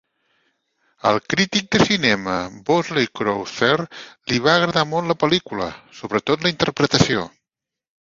Al crític de cinema Bosley Crowther li va agradar molt la pel·lícula, sobretot la interpretació.